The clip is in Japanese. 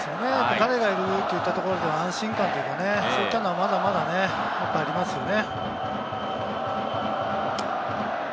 彼がいるというところでの安心感、そういったものはまだまだありますよね。